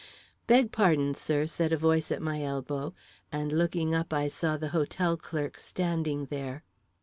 "Beg pardon, sir," said a voice at my elbow, and looking up, I saw the hotel clerk standing there.